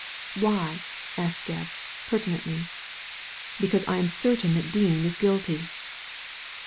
"Why?" asked Gebb, pertinently. '* Because I am certain that Dean is guilty.